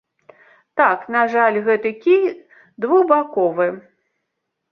Так, на жаль, гэты кій двухбаковы.